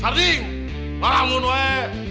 sarding ngelamun weh